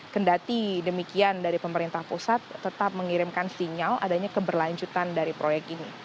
kendati demikian dari pemerintah pusat tetap mengirimkan sinyal adanya keberlanjutan dari proyek ini